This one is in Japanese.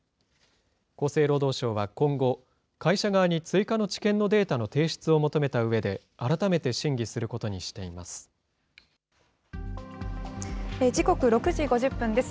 厚生労働省は今後、会社側に追加の治験のデータの提出を求めたうえで、改めて審議することにしています。